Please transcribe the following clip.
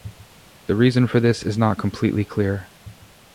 The reason for this is not completely clear.